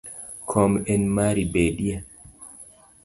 Kom en mari bedie